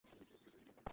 কি পড়তে আসতেছো?